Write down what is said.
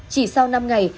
chỉ sau năm ngày